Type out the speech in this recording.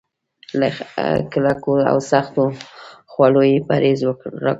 له کلکو او سختو خوړو يې پرهېز راکړی و.